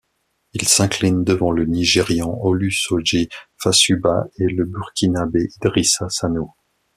Il s'incline devant le Nigérian Olusoji Fasuba et le Burkinabé Idrissa Sanou.